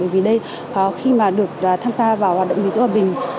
vì đây khi mà được tham gia vào hoạt động gìn giữ hòa bình